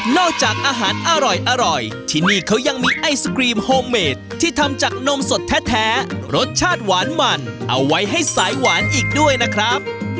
จากอาหารอร่อยที่นี่เขายังมีไอศกรีมโฮมเมดที่ทำจากนมสดแท้รสชาติหวานมันเอาไว้ให้สายหวานอีกด้วยนะครับ